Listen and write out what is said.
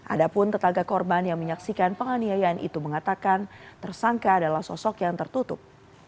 ada pun tetangga korban yang menyaksikan penganiayaan itu mengatakan tersangka adalah sosok yang tertutup